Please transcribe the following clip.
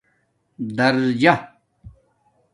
دَرجہ